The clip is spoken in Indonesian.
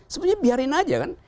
sebenarnya biarin aja kan